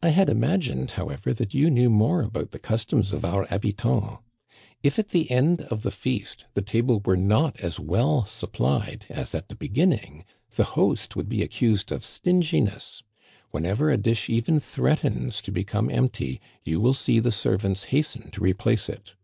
I had imagined, how ever, that you knew more about the customs of our hab itants. If at the end of the feast the table were not as well supplied as at the beginning, the host would be ac cused of stinginess. Whenever a dish even threatens to become empty, you will see the servants hasten to re place it."